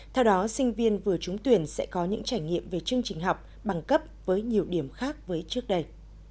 theo đó sinh viên vừa trúng tuyển sẽ có những trải nghiệm về chương trình học bằng cấp với nhiều điểm khác với trước đây